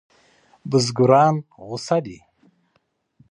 بزګران غوسه دي.